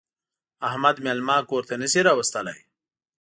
احمد مېلمه کور ته نه شي راوستلی.